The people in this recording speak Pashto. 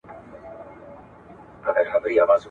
د عمر په حساب مي ستړي کړي دي مزلونه!